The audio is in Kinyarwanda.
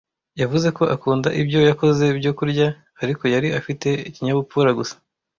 yavuze ko akunda ibyo yakoze byo kurya, ariko yari afite ikinyabupfura gusa.